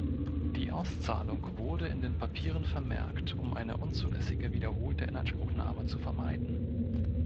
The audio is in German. Die Auszahlung wurde in den Papieren vermerkt, um eine unzulässige wiederholte Inanspruchnahme zu vermeiden.